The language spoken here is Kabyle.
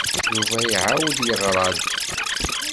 Yuba iɛawed yeɣra-d.